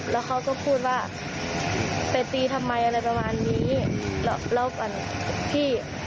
แล้วเขาก็พูดว่าไปตีทำไมอะไรประมาณนี้